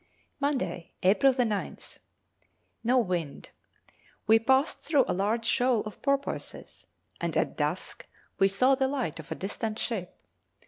Monday, April, 9th. No wind. We passed through a large shoal of porpoises, and at dusk we saw the light of a distant ship.